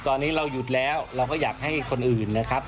ตอนนี้เราหยุดแล้วเราก็อยากให้คนอื่นนะครับ